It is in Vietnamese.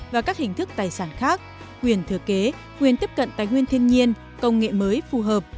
và các hình thức tài sản khác quyền thừa kế quyền tiếp cận tài nguyên thiên nhiên công nghệ mới phù hợp